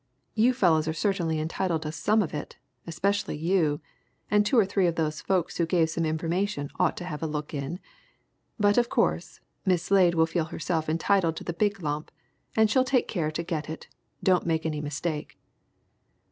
You fellows are certainly entitled to some of it especially you and two or three of those folks who gave some information ought to have a look in. But, of course, Miss Slade will feel herself entitled to the big lump and she'll take care to get it, don't make any mistake!"